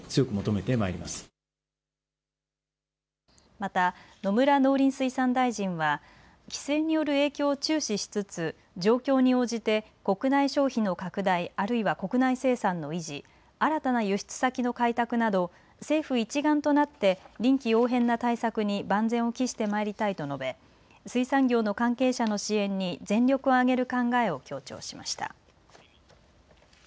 また野村農林水産大臣は規制による影響を注視しつつ状況に応じて国内消費の拡大、あるいは国内生産の維持、新たな輸出先の開拓など政府一丸となって臨機応変な対策に万全を期してまいりたいと述べ、水産業の関係者の支援に全力を挙げる考えを強調しました。